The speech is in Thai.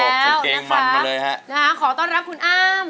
จึงเกงหมั่นมาเลยฮะนะคะขอต้อนรับคุณอ้าม